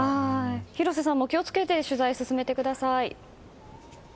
広瀬さんも気を付けて取材を進めてください。